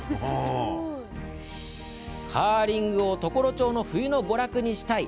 カーリングを常呂町の冬の娯楽にしたい。